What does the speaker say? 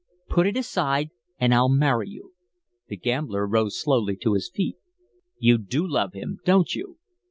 Put it aside and I'll marry you." The gambler rose slowly to his feet. "You do love him, don't you?"